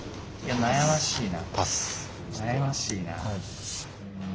悩ましいな。